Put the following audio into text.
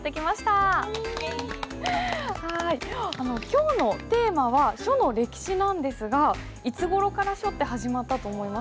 今日のテーマは「書の歴史」なんですがいつごろから書って始まったと思いますか？